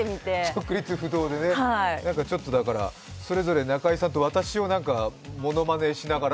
直立不動でね、それぞれ中居さんと私をものまねしながら。